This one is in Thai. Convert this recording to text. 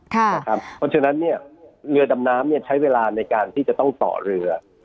เพราะฉะนั้นเรือดำน้ำใช้เวลาในการที่จะต้องต่อเรือ